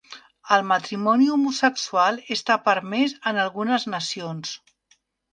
El matrimoni homosexual està permès en algunes nacions